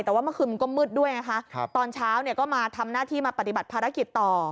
แต่ว่าเมื่อคืนมันก็มืดด้วยนะคะตอนเช้าเนี่ยก็มาทำหน้าที่มาปฏิบัติภารกิจต่อ